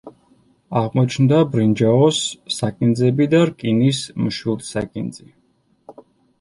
აღმოჩნდა ბრინჯაოს საკინძები და რკინის მშვილდსაკინძი.